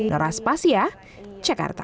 nora spasia jakarta